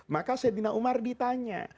maka saidina umar ditanya